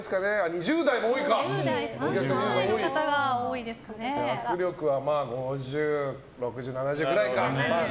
２０代、３０代の方が握力は５０、６０、７０くらいか。